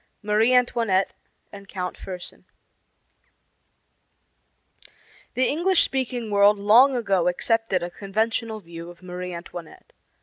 MARIE ANTOINETTE AND COUNT FERSEN The English speaking world long ago accepted a conventional view of Marie Antoinette.